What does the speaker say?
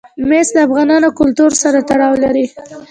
مس د افغان کلتور سره تړاو لري.